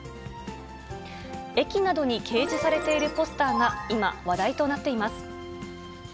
駅などに掲示されているポスターが今、話題となっています。